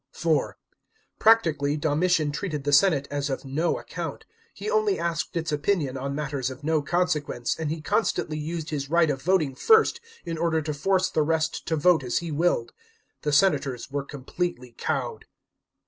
(4) Practically Domitian treated the senate as of no account, lie only asked its opinion on matters of no consequence, and he constantly used his right of voting first in order to force the res/ to vote as he willed. The senators were completely cuwed.